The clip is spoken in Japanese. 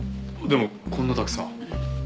でもこんなたくさん。